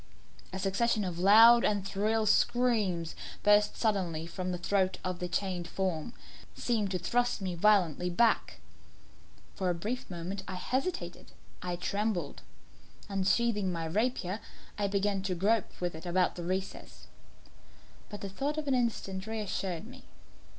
A succession of loud and shrill screams, bursting suddenly from the throat of the chained form, seemed to thrust me violently back. For a brief moment I hesitated I trembled. Unsheathing my rapier, I began to grope with it about the recess; but the thought of an instant reassured me.